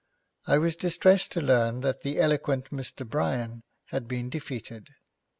I was distressed to learn that the eloquent Mr. Bryan had been defeated.